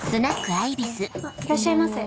いらっしゃいませ。